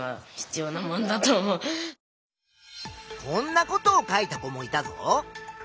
こんなことを書いた子もいたぞ。